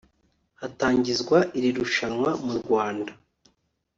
Hatangizwa iri rushanwa mu Rwanda